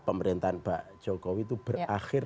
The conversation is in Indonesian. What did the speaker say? pemerintahan pak jokowi itu berakhir